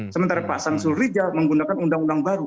sementara pak samsul rijal menggunakan undang undang baru